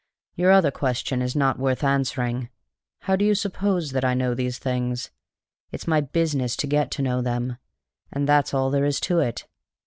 Your other question is not worth answering. How do you suppose that I know these things? It's my business to get to know them, and that's all there is to it.